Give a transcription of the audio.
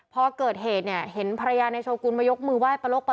พอเกิดเหตุเนี่ยเห็นภรรยานายโชกุลมายกมือไห้ปะลก